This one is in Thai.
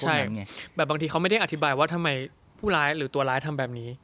ใช่แบบบางทีเขาไม่ได้อธิบายว่าทำไมผู้ร้ายหรือตัวร้ายทำแบบนี้